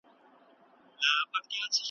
زما ښکلې لمسۍ مُنانۍ ,